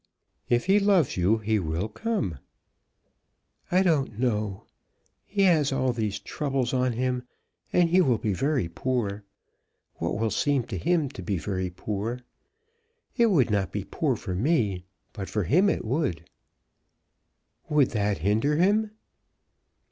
"If he loves you he will come." "I don't know. He has all these troubles on him, and he will be very poor; what will seem to him to be very poor. It would not be poor for me, but for him it would." "Would that hinder him?"